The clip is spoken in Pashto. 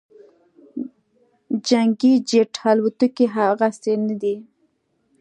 جنګي جیټ الوتکې هغسې نه دي